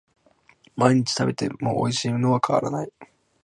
毎日食べてもおいしいのは変わらない